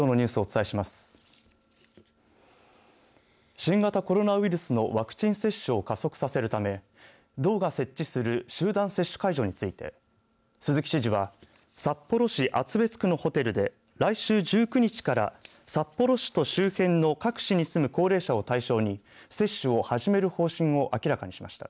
新型コロナウイルスのワクチン接種を加速させるため道が設置する集団接種会場について鈴木知事は、札幌市厚別区のホテルで来週１９日から札幌市と周辺の各市に住む高齢者を対象に接種を始める方針を明らかにしました。